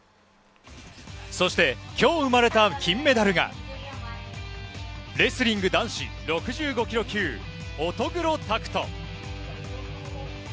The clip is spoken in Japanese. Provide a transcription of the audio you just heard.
そして今日生まれた金メダルが、レスリング男子６５ｋｇ級、乙黒拓斗。